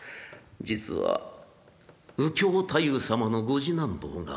「実は右京太夫様のご次男坊が